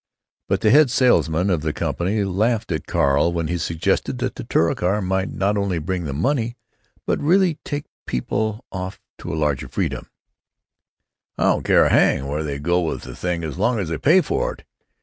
But the head salesman of the company laughed at Carl when he suggested that the Touricar might not only bring them money, but really take people off to a larger freedom: "I don't care a hang where they go with the thing as long as they pay for it.